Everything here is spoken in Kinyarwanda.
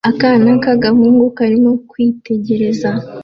Akana k'agahungu karimo kwitegereza